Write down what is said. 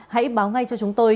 hãy báo ngay cho chúng tôi